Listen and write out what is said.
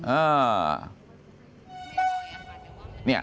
อ่านี่